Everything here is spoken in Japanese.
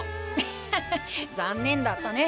アハハ残念だったね。